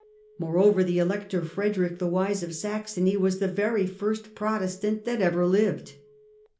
More over the Elector Frederick the Wise of Saxony was the very first Protestant that ever lived.